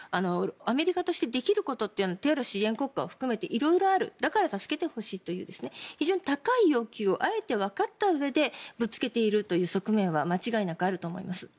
アメリカとしてできることというのはテロ支援国家を含めて色々あるだから助けてほしいという非常に高い要求をあえてわかったうえでぶつけているという側面は間違いなくあると思います。